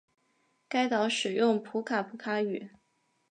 该岛使用普卡普卡语。